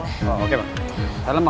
oh oke pak salam pak